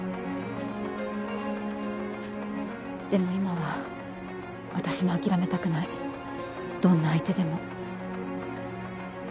でも今は私も諦めたくないどんな相手でも。